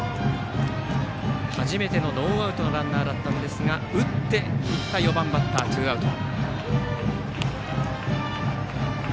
初めてのノーアウトのランナーでしたが打っていった４番バッターツーアウト。